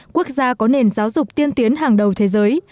quốc gia có nền giáo dục tiên tiến hàng đầu thế giới